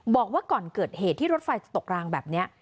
บอกว่าก่อนเกิดเหตุที่รถไฟจะตกรางแบบนี้